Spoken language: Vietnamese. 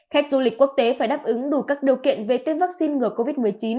khách du lịch quốc tế phải đáp ứng đủ các điều kiện về tiêm vaccine ngừa covid một mươi chín